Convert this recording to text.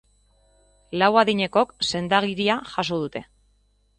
Lau adinekok sendagiria jaso dute.